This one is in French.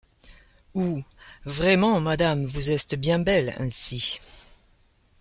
ou :« Vrayment, madame, vous estes bien belle ainsy.